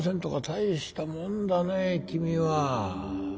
大したもんだね君は。